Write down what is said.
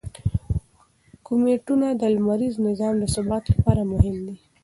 کومیټونه د لمریز نظام د ثبات لپاره مهم دي.